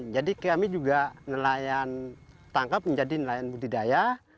jadi kami juga nelayan tangkap menjadi nelayan budidaya